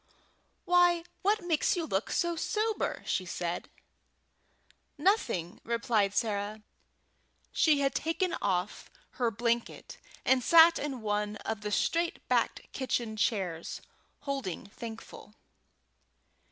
"Why, what makes you look so sober?" said she. "Nothing," replied Sarah. She had taken off her blanket, and sat in one of the straight backed kitchen chairs, holding Thankful.